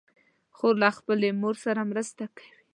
خور له خپلې مور سره مرسته کوي.